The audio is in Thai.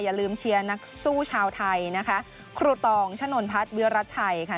อย่าลืมเชียร์นักสู้ชาวไทยนะคะครูตองชะนนพัฒน์วิรัติชัยค่ะ